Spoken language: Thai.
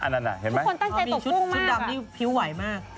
ทุกคนตั้งใจตกปุ้งมาก